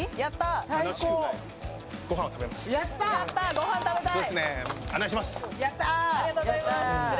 ご飯食べたい。